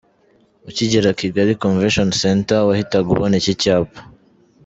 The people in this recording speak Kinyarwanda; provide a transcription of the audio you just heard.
Ukigera Kigali Convention Center wahitaga ubona iki cyapa.